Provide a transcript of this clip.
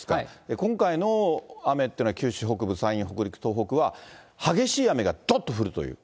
今回の雨っていうのは、九州北部、山陰、北陸、東北は、激しい雨がどっと降るという。